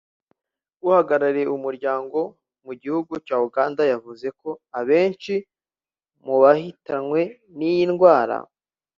uhagarariye uyu muryango mu gihugu cya Uganda yavuze ko abenshi mu bahitanwa n’iyi ndwara